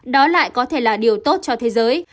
đó lại có thể là điều tốt cho thế giới